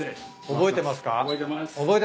覚えてます。